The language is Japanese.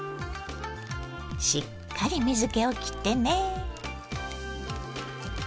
しっかり水けをきってね。